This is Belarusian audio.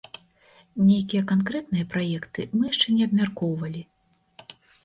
Нейкія канкрэтныя праекты мы яшчэ не абмяркоўвалі.